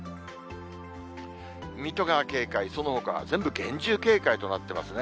水戸が警戒、そのほかは全部、厳重警戒となってますね。